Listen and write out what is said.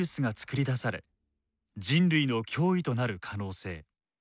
人類の脅威となる可能性。